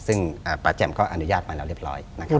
ซึ่งประจำก็อนุญาตมาแล้วเรียบร้อย